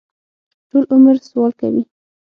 ټول عمر سوال کوي.